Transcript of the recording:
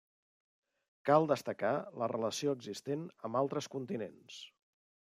Cal destacar la relació existent amb altres continents.